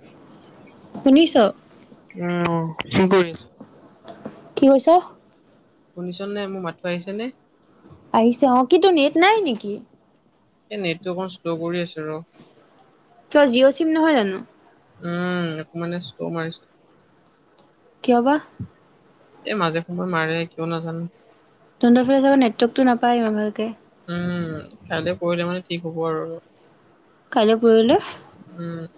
[inaudible] শুনিছ। উম ক কৰি আছ? কি কৈছ? শুনিছ নে, মোৰ মাতটো আহিছে নে? আহিছে অঁ, কি‌ তোৰ নেট নাই নেকি? এই নেটটো অকণমান শ্ল' কৰি আছে ৰ। কিয় জিঅ' চিম নহয় জানো? উম নেট মানে' শ্ল' মাৰিছে। কিয় কবা? এ মাজে সময়, মাৰে কিয় নাজানো? তহঁতৰ ফালে চাগে নেটৱৰ্কটো নাপায় ইমান ভালকে। উম কাইলৈ পৰখিলে মানে ঠিক হ'ব আৰু। কালৈ পৰখিলে। উম।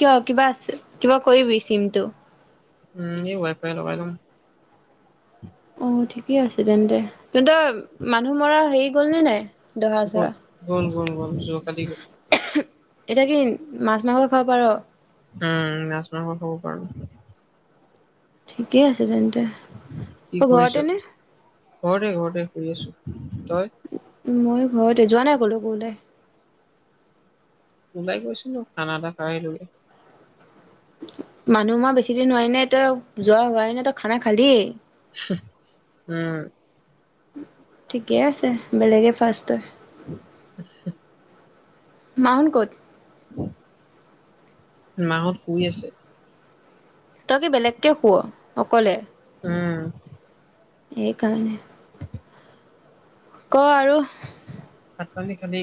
কিয় কিবা আছে কিবা কৰিবি চিমটো। উম এই ৱাই ফাই লগাই লম। অঁ ঠিকে আছে তেন্তে তহঁতৰ মানুহ মৰা হেৰি গ'লনে নাই। দহা চহা গ'ল লগ যোৱা কালি। এতিয়া কি মাছ মাংস খাব পাৰ? উম মাছ মাংস খাৱ পাৰো। ঠিকে আছে তেন্তে। কি তই ঘৰতে কৰিছ নে ঘৰতে ঘৰতে শুই আছো তই। ময়ো ঘৰতে, যোৱা নাই কলৈ ঘূৰিবলৈ? ওলাই গৈছিলো খানা এটা খোৱাই আহিলো। মানুহ মৰা বেছি দিন হোৱা নাই তই যোৱা হোৱাই নাই তই খানা খালিয়ে। উম। ঠিকে আছে বেলেগে ফাৰ্ষ্টত। আচ্ছা [unintelligible] মা সত ক'ত? মাঁহত শুই আছে। তই কি বেলেগকে শুৱ অকলে? উম। এই কাৰণে। ক আৰু? ভাত পানী খালি?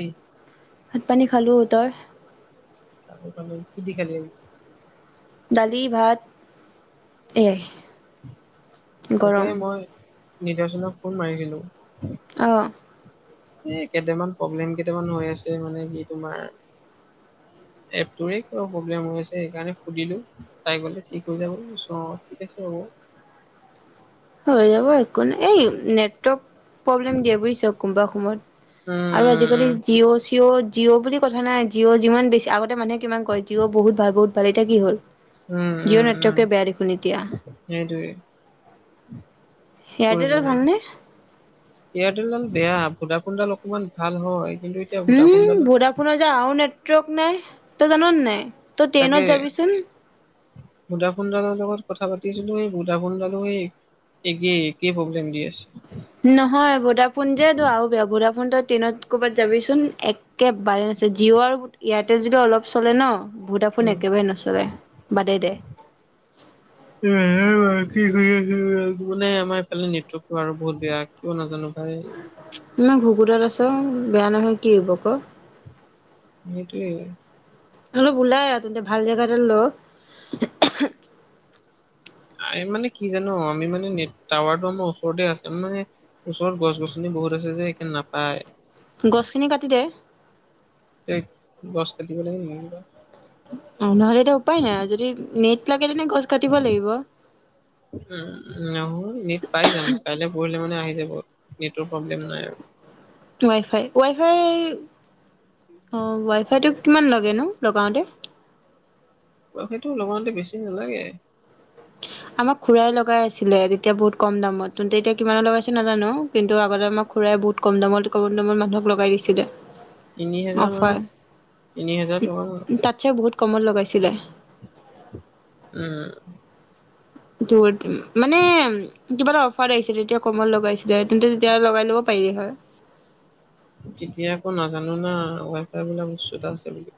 ভাত পানী খালোঁ, তই? [unintelligible] কি দি খালি? দালি, ভাত এইয়াই। তাকে মই নিদৰ্চনক ফোন মাৰি দিলো। অ। এ কেইটামান প্ৰব্লেম কেইটামান হৈ আছে, মানে কি তোমাৰ। [inaudible] এপটোৰে কিবা প্ৰব্লেম হৈ আছে সেইকাৰণে সুধিলো। তাই ক'লে ঠিক হৈ যাব অ ঠিক আছে হ'ব। হৈ যাব একো নাই এই নেটৱৰ্ক প্ৰব্লেম দিয়ে, বুজিছ কোনোবা সময়ত। উম আৰু আজিকালি উম জিঅ' চি জিঅ' জিঅ' বুলি কথা নাই জিঅ' যিমান বেছি, আগতে মানুহে কিমান কয় জিঅ' বহুত ভাল বহুত ভাল এতিয়া কি হ'ল। উম জিঅ উম উম নেটৱৰ্কে বেয়া দেখোন এতিয়া। সেইটোৱে। কি এয়াৰটেলৰ কৰিবি আৰু ভালনে এয়াৰটেল ডাল বেয়া ভডা ফোন ডাল অকমান ভাল হয়। কিন্তু এতিয়া উম ভোডাফোনডালো ' ভডাফোনৰ যে আৰু নেটৱৰ্ক নাই তই জান নে নাই। তই ট্ৰেইনত তাকে যাবিচোন ভডাফোনডালৰ লগত কথা পাতিছিলো এই ভডাফোনডালো সেই হে একেই, একেই প্ৰব্লেম দি আছে। নহয়। ভোডাফোন যে তোৰ আৰু বেয়া ভোডাফোন তই ট্ৰেইনত ক'ৰবাত যাবিচোন এক কে বাৰে নচলে। জিঅ' আৰু এয়াৰটেল যদি অলপ চলে ন। উম ভোডাফোন একেবাৰে নচলে বাদেই দে। [unintelligible] ৰাতি শুই আছিলোঁ। আলু নাই আমাৰ এইফালে নেটৱৰ্কটো আৰু বহুত বেয়া, কিয় নাজানো ভাই। মই ঘুকুটত আছ বেয়া নহয় কি হ'ব আ ক'। সেইটোৱেই। অলপ ওলাই আহ তেন্তে ভাল জেগা এটা ল। এই মানে কি জান, আমি মানে নেট টাৱাৰটো আমাৰ ওচৰতে আছে মানে। ওচৰত গছ -গছনি বহুত আছে যে সেইকাৰণে নাপায়। গছখিনি কাটি দে। এই গছ কাটিব নিদিয়ে। অ নহ'লে টো উপায় নাই আৰু যদি নেট লাগে তেনে গছ কাটিব লাগিব। উম নহয়, নেট পাই যাম কাইলৈ পৰহিলে মানে আহি যাব। নেটৱৰ্ক প্ৰব্লেম নাই আৰু ৱাইফাই ৱাইফাই অ ৱাইফাইটো কিমান লাগেনো লগাওঁতে। ৱাইফাইটো লগাওতে বেছি নালাগে। আমাক খুৰাই লগাই আছিলে তেতিয়া বহুত কম দামত কিন্তু এতিয়া কিমানত লগাইছে নাজানো। কিন্তু, আগতে আমাক খুৰাই বহুত কম দামত কম দামত মানুহক লগাই দিছিলে। তিনি হোজাৰ অফাৰ মান তিনি হোজাৰত লগাব। তাতচ্ছে বহুত কমত লগাইছিলে। উম। মানে কিবা এটা অফাৰ আহিছিলে তেতিয়া কমত লগাইছিলে, তেন্তে তেতিয়া লগাই ল'ব পাৰিলি হয়। তেতিয়া আকৌ নাজানো না ৱাইফাই বোলা বস্তু এটা আছে বুলি।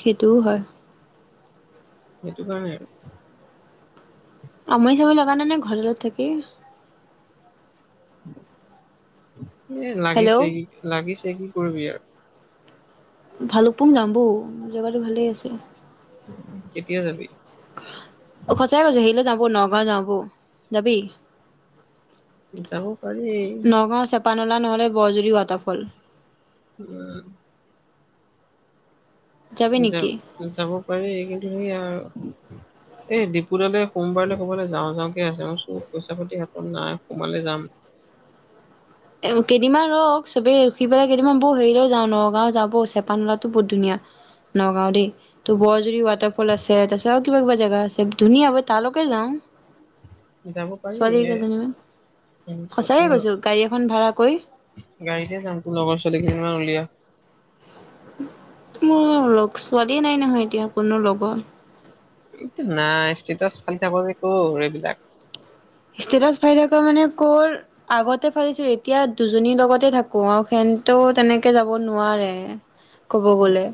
সেইটোওঁ হয়। সেইটো কাৰণে আৰু। আমৰি চামনি লগা নাই নে ঘৰত থাকি এ লাগিছে হেল্ল' কি লাগিছে কি কৰিবি আৰু ভালুকপুং যাম বৌ জেগাটো ভালেই আছে। কেতিয়া যাবি? অ সঁচাই কৈছো হেৰিলে যাওঁ বল নগাঁও যাওঁ ব যাবি যাব পাৰি নগাঁও চেপা নলা নহ'লে বৰজুৰি ৱাটাৰফল উম যাবি যা নেকি যাব পাৰি এই কিন্তু সেই আৰু এই ডিপুডালে সোমবাৰলে কবালে যাওঁ যাওঁকে আছে মই চো পইচা পাতি হাতত নাই সোমালে যাম কেইদিনমান ৰখ চবেই ৰখি পেলাই কেইদিনান বৌ হেৰিলেও যাওঁ নগাঁও যা বৌ চেপা নলাতো বহুত ধুনীয়া নগাঁও দেই ত' বৰ যুদি ৱাটাৰফল আছে তাৰছত আও কি কিবা কিবা জেগা আছে ধুনীয়া বৈ তালৈকে যাওঁ যাব পাৰি ছোৱালী এ কেইজনীমান ত সঁচাকে তোৰ কৈছো গাড়ী এখন ভাড়া কৰি গাড়ীতে যাম তোৰ লগৰ ছোৱালী কেইজনীমান উলিয়া মোৰ লগ ছোৱালী নাই নহয় এতিয়া কোনো লগৰ এ তোৰ নাই ষ্টেটাছ ফালি থাক যে কৰ এইবিলাক ষ্টেটাছ ফালি থাক মানে কৰ আগতে ফালিছিলো এতিয়া দুজনীৰ লগতে থাকো আৰু সেনতেও তেনেকে যাব নোৱাৰে। কব গ'লে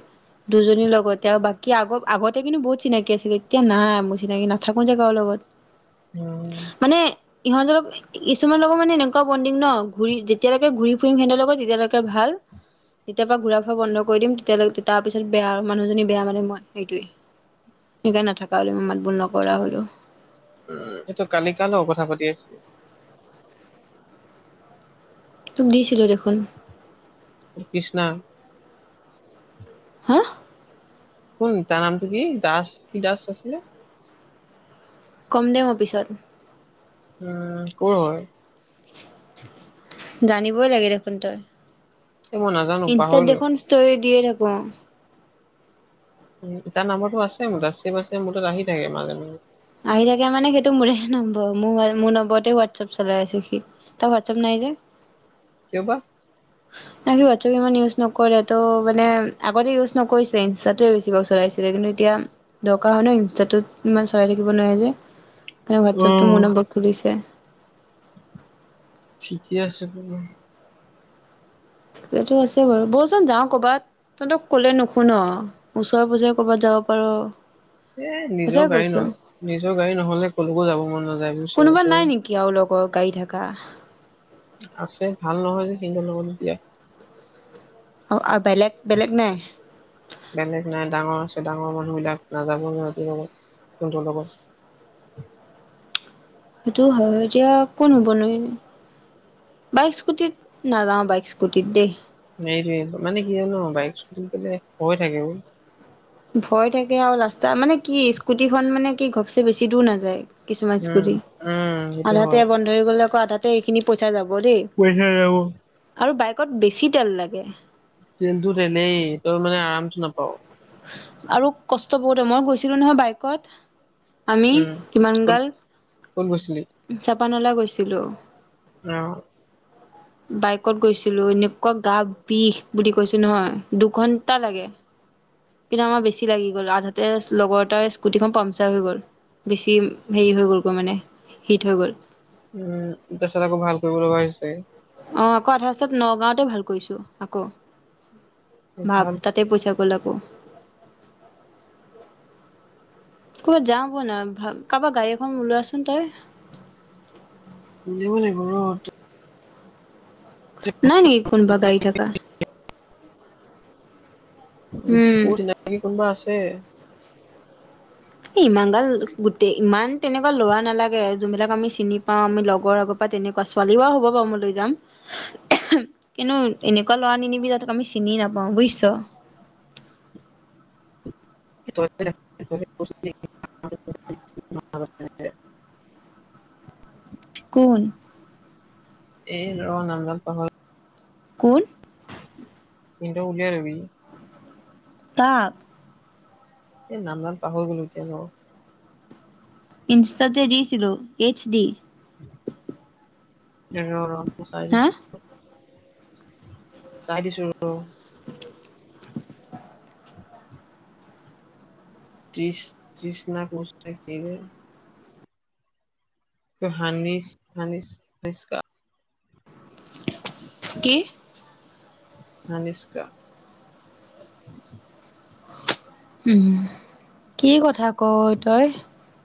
দুজনীৰ লগতে আৰু বাকী আগ আগতে কিন্তু বহুত চিনাকি আছিলে এতিয়া নাই মোৰ চিনাকি নাথাকোঁ যে কাৰো লগত উম মানে ইহঁতজৰক কিছুমান লগত মানে এনেকুৱা বণ্ডিং ন ঘূৰি যেতিয়ালৈকে ঘূৰি ফুৰিম হেনতৰ লগত তেতিয়ালৈকে ভাল তিত- তেতিয়াৰা ঘূৰা ফুৰা বন্ধ কৰি দিম তেতিয়ালৈকে তাৰপিছত বেয়া মানুহজনী বেয়া মানে মই সেইটোৱেই। সেইকা নাথাকা হ'লে মই মাত বোল নকৰা হ'লো উম সেইটো কালি কাৰ লগত কথা পাতি আছিলি তোক দিছিলো দেখোন কৃষ্ণা হা শুন তাৰ নামটো কি দাস কি দাস আছিলে কম দে ম পিছত উম কৰ হয় জানিবই লাগে দেখোন তই এই মই নাজানো ইনষ্টাত পাহৰিলো দেখোন ষ্টৰি দিয়ে থাকো। উ তাৰ নাম্বৰটো আছে মোৰ তাত চেভ আছে মোৰ তাত আহি থাকে মাজে মাজে আহি থাকে মানে সেইটো মোৰে নম্বৰ মোৰ মোৰ নম্বৰতে হোৱাটছআপ চলাই আছে সি তা হোৱাটচএপ নাই যে কিয় বা না সি হোৱাটছআপ ইমান ইউজ নকৰে ত মানে আগতে ইউজ নকৰিছে ইনষ্টাতোৱে বেছিক চলাই- ছিলে কিন্তু এতিয়া দৰকাৰ হয় ন ইনষ্টাটোত ইমান চলাই থাকিব নোৱাৰে যে মানে হোৱাটছএপটো মোৰ অ'। নম্বৰ খুলিছে। ঠিকেই আছে তেনে এইটো আছে বাৰু বলচোন যাওঁ কৰ'বাত তহঁতক কলে নুশুন ওচৰে পজৰে ক'বাত যাব পাৰো এ নিজৰ গাড়ী নহ, নিজৰ গাড়ী নহলে কলৈকো যাব মন নাযায় বুজিছ তই। কি আৰু লগৰ গাড়ী থাকা। আছে ভাল নহয় যে সিহঁত লগত গিয়া। অঁ, আ বেলেগ, বেলেগ নাই? বেলেগ নাই। ডাঙৰ আছে, ডাঙৰ মানুহ বিলাক নাযাব ন সিহঁত লগত সিহঁতৰ লগত। সেইটো হয় এতিয়া কোন হ'বনো ই? বাইক, স্কুটিত নাযাওঁ। বাইক, স্কুটিত দেই। এইটোৱ মানে কি হয় জান বাইক স্কুটিত গলে ভয় থাকে অ। ভয় থাকে আৰু ৰাস্তা মানে কি স্কুটিখন মানে কি ঘপচে বেছি দূৰ নাযায়। কিছুমান উম, স্কুটী, উম সেইটো হয়। আধাতে বন্ধ হৈ গলে আকৌ আধাতে এইখিনি পইচা যাব দেই। পইচা যাব। আৰু বাইকত বেছি তেল লাগে। তেলতো তেলেই তই মানে আৰামটো নাপাও। আৰু কষ্ট বহুত হয়। মই গৈছিলো নহয় বাইকত আমি উম ইমান ক'ত গাল ক'ত গৈছিলি জাপানলৈ গৈছিলো। অঁ, [unintelligible] বাইকত গৈছিলোঁ। এনেকুৱা গা বিষ বুলি কৈছোঁ নহয়, দুঘণ্টা লাগে। কিন্তু আমাৰ বেছি লাগি গ'ল। আধাতে লগৰ এটাৰ স্কুটিখন পামচাৰ হৈ গ'ল। বেছি হেৰি হৈ গ'ল ক মানে হিট হৈ গ'ল। উম তাৰপিছত আকৌ ভাল কৰিব লগা হৈছে। অ আকৌ আধা ৰাস্তাত নগাঁওতে ভাল কৰিছো আকৌ, ভাব ভাল তাতে পইচা গল আকৌ। ক'বাত যাওঁ বৈ না, কাৰোবা গাড়ী এখন ওলোৱাচোন তই। উলিয়াব লাগিব ৰ। নাই নেকি কোনোবা গাড়ী থাকা? উম তোৰ চিনাকি কোনোবা আছে? এ ইমান গাল গোটেই ইমান তেনেকুৱা লৰা নালাগে। যোনবিলাক আমি চিনি পাও আমি লগৰ আগত বা তেনেকুৱা ছোৱালী বা হব বাৰু মই লৈ যাম। কেনো এনেকুৱা লৰা নিনিবি যাতে আমি চিনি নাপাওঁ বুজিছ। [inaudible] কোন? এই ৰ নাম পাহ কোন? কিন্তু উলিয়াই লবি। তাক এই নাম ডাল পাহৰি গলো এতিয়া ৰ। ইনষ্টাততে দিছিলোঁ, এইচ ডি। এ ৰ, ৰ, মই চাই হা দিছোঁ। চাই দিছো ৰ। ত্ৰিছ ত্ৰিছনা কচ না কি যে। হানিচ, হানিচ [unintelligible] কি? হানিস্কা। উ কি কথা কয় তই।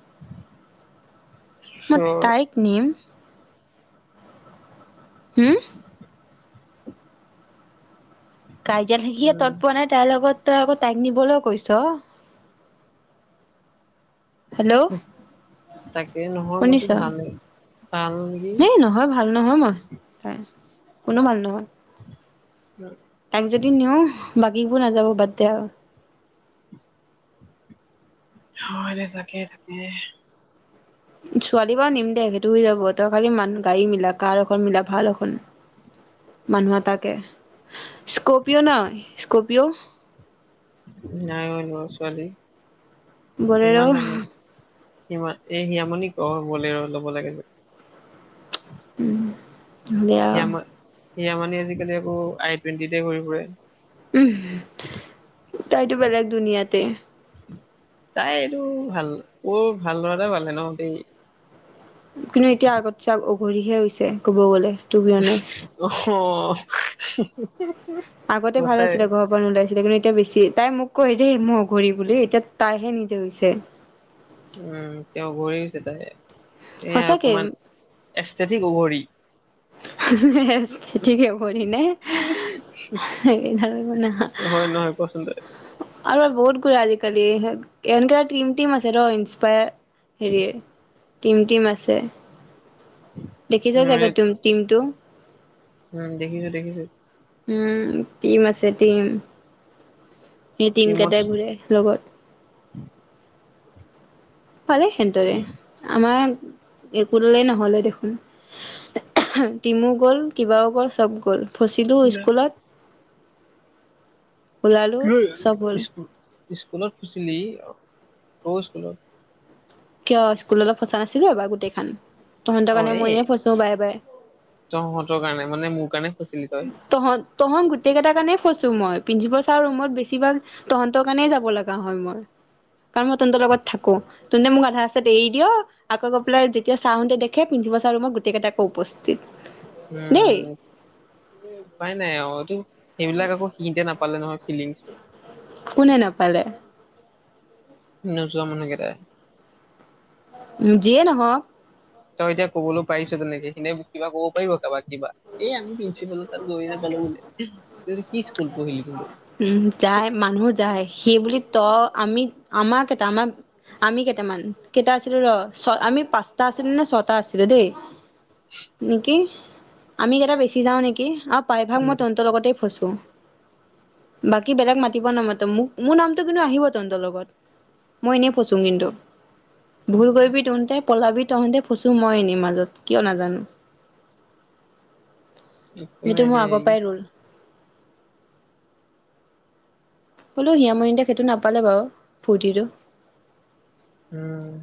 [inaudible] মই ৰ তাইক নিম। হম। কাজিয়া থেকিয়ে উম তৎ পোৱা নাই তাইৰ লগত তই আকৌ তাইক নিবলৈও কৈছ। হেল্ল'। তাকে নহয় মইছো শুনিছ ভাল ন। হেই নহয় ভাল নহয় মই কোনো ভাল নহয়। উম। তাইক যদি নিওঁও বাকীবোৰ নাযাব বাদ দে আৰু। হয় এনে চাকে তাকে। ছোৱালী বাৰু নিম দে সেইটো হৈ যাব তই খালি মানুহ গাড়ী মিলা কাৰ এখন মিলা ভাল এখন। [unintelligible] মানুহ এ তাকে স্কপিঅ নহ স্কপিঅ'। নাই অ লৰা ছোৱালী বলেৰ' ইমান দামেই। সিমা এই সিয়ামণিক ক বলেৰ ল'ব লাগে বুলি। উম। দে হিয়া আৰু ম হিয়ামানি আজিকালি আকৌ আই টুৱেণ্টিতে হে ঘৰি ফুৰে। উ তাইতো বেলেগ দুনীয়াতে। তাই এইটো ভাল বৰ ভাল লৰা এটা পালে ন দেই। কিন্তু এতিয়া আগত চাওক অভৰিহে হৈছে ক'ব গ'লে টু বি হনেষ্ট। অঁ। আগতে ভাল আছিলে ঘৰ। লাইছিলে কিন্তু এতিয়া বেছি তাই মোক কয় দেই অঘৰি বুলি এতিয়া তাইহে নিজে হৈছে। উম তেওঁ অঘৰি হৈছে তাই এইয়া সঁচাকে অকমান এস্থেথেটিক অঘৰি। খীতকে কৈ দিলে। স ধৰে মান। হয় নহয় কচোন তই আৰু বহুত গুৰা আজিকালি এনকে টিম টিম আছে ৰ ইনসপায়াৰ। হেৰি টিম টিম আছে দেখিছোৱা চগা টিম। টিমটো। উম দেখিছো -দেখিছো। উম টিম আছে টিম। সেই টিম টিমত কেইটাই ঘূৰে লগত। পালে সেহদৰে আমাৰ একো দালে নহলে দেখোন। টিমো গ'ল কিবাও গ'ল চব গ'ল ফচিলো স্কুলত। ওলালো ক্ চব হ'ল স্কুলত ফুছিলি ক স্কুলত? কিয় স্কুলত ফচা নাছিলো এবাৰ গোটেই খন তহঁতৰ অ কাৰণে এই মই এ ফচো বাই বাই। তহঁতৰ কাৰণে মানে মোৰ কাৰণে খছিলি তই? তহঁত তহঁত গোটেই কেইটা কাৰণেই ফছো মই প্ৰিন্ঞ্চিপাল ছাৰৰ ৰুমত বেছিভাগ- তহঁতৰ কাৰণেই যাব লগা হল, মই কাৰণ মই তহঁতৰ লগত থাকো। তহঁতে মোক আধা ৰাস্তাত এৰি দিয়। আকৌ গৈ পেলাই যেতিয়া চাৰ হতে দেখে প্ৰিন্সিপাল চাৰ ৰোমত গোটেইকেইটা আকৌ উপস্থিত। দেই উম উপাই নাই অ এইটো সেইবিলাক আকৌ শিকিতে নাপালে নহয়। ফিলিংছটো। কোনে নাপালে? নোযোৱা মানুহকেইটাই যিয়ে নহওঁক। তই এতিয়া ক'বলৈ পাৰিছ তেনেকে সখনে কিবা ক'ব পাৰিব কাবাক। দিবা, এই আমি প্ৰিন্ঞ্চিপালৰ তাৰ গৈ নোপালো বোলে ত, কি স্কুল পঢ়িলি? তহঁতে উম, যায় মানুহ যায় সেই বুলি তই, আমি আমাৰ কেইটা আমাৰ আমি কেইটামান কেইটা আছিলোঁ ৰ, ছ আমি পাঁচটা আছিলো নে ছটা আছিলোঁ দেই নেকি আমি কেইটা বেছি যাওঁ নেকি আৰু প্ৰায়ভাগ মই তহতৰ লগতেই ফচো। বাকী বেলেগ মাতিব নামা মোক, মোৰ নামটো কিন্তু আহিব তহতৰ লগত। মই এনেই পচো কিন্তু, ভুল উম কৰিবি তুহতে পলাবি তহঁতে ফচোঁ মই, এনেই মাজত কিয় নাজানো। একো সেইটো নাই মোৰ আগৰ দেই পৰাই ৰ'ল হ'লো হিয়ামৰিটাক সেইটো নাপালে, বাৰু ফূৰ্তিটো উম,